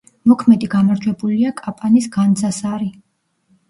მოქმედი გამარჯვებულია კაპანის „განძასარი“.